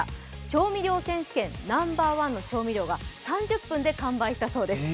調味料選手権、ナンバーワンの調味料が３０分で完売したそうです。